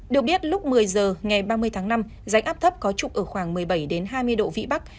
được biết lúc một mươi giờ ngày ba mươi tháng năm rãnh áp thấp có trục ở khoảng một mươi bảy hai mươi độ vĩ bắc